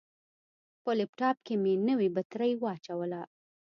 په لپټاپ کې مې نوې بطرۍ واچوله.